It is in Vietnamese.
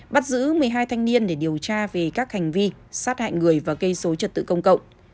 sát hại người và gây số trật tự công cộng